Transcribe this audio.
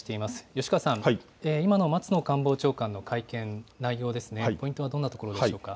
よしかわさん、今の松野官房長官の会見、内容ですね、ポイントはどんなところでしょうか。